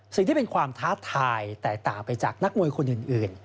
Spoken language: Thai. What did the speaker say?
สิ่งที่เป็นความท้าทายแตกต่างไปจากนักมวยคนอื่น